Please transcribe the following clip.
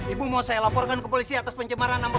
ibu mau saya laporkan ke polisi atas pencemaran nama